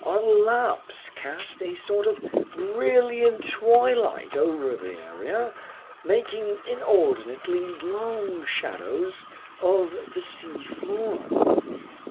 Our lamps cast a sort of brilliant twilight over the area, making inordinately long shadows on the seafloor.